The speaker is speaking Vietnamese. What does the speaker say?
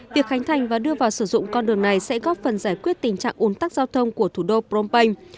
việc khánh thành và đưa vào sử dụng con đường này sẽ góp phần giải quyết tình trạng ồn tắc giao thông của thủ đô phnom penh